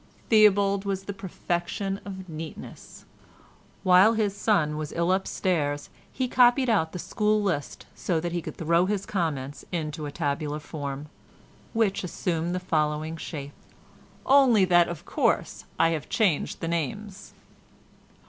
Theobald was the perfection of neatness; while his son was ill upstairs, he copied out the school list so that he could throw his comments into a tabular form, which assumed the following shape—only that of course I have changed the names.